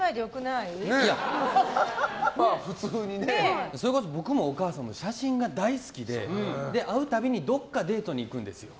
いやそれこそ僕もお母さんも写真が大好きで会う度にどこかデートに行くんですよ。